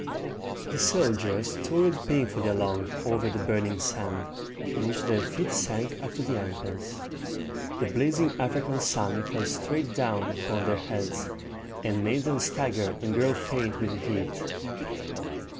The soldiers toiled painfully along over the burning sand, in which their feet sank up to the ankles. The blazing African sun fell straight down upon their heads, and made them stagger and grow faint with the heat.